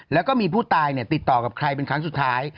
แล้วก็มีผู้ตายติดต่อกับใครเป็นครั้งสุดท้าย